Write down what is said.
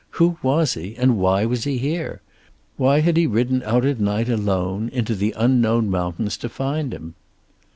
Who was he, and why was he here? Why had he ridden out at night alone, into unknown mountains, to find him?